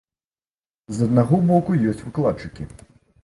З аднаго боку, ёсць выкладчыкі.